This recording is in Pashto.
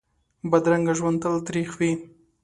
بدرنګه ژوند تل تریخ وي